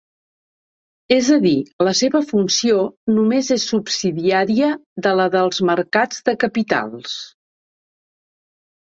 És a dir, la seva funció només és subsidiària de la dels mercats de capitals.